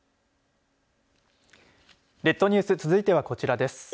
列島ニュース続いてはこちらです。